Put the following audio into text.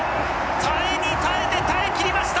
耐えに耐えて耐え切りました！